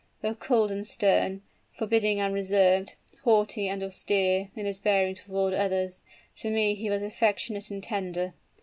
Though cold and stern forbidding and reserved haughty and austere in his bearing toward others, to me he was affectionate and tender.